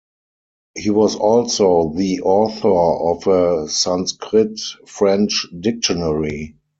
He was also the author of a Sanskrit-French dictionary.